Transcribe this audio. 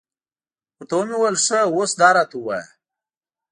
ورته ومې ویل، ښه اوس دا راته ووایه.